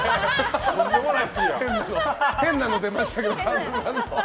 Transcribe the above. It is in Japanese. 変なの出ましたけど。